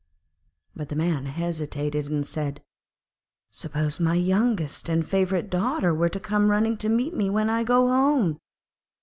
But the Man hesitated, and said, 'Suppose my youngest and favourite daughter were to come running to meet me when I go home!'